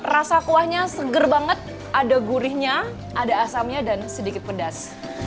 rasa kuahnya seger banget ada gurihnya ada asamnya dan sedikit pedas